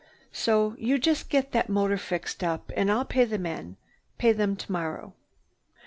So you just get that motor fixed up, and I'll pay the men, pay them tomorrow."